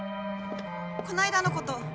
この間のこと。